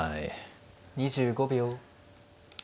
２５秒。